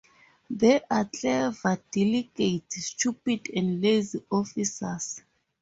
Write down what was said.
There are clever, diligent, stupid, and lazy officers.